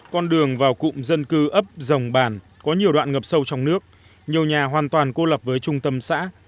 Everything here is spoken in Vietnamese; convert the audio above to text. con đường vào cụm dân cư ấp dòng bàn có nhiều đoạn ngập sâu trong nước nhiều nhà hoàn toàn cô lập với trung tâm xã